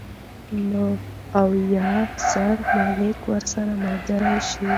نو اويا زره ملائک ورسره ملګري شي